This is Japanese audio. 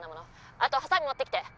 あとハサミ持ってきて！」